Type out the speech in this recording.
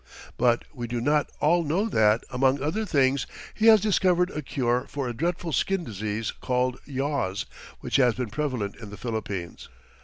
But we do not all know that, among other things, he has discovered a cure for a dreadful skin disease called yaws, which has been prevalent in the Philippines.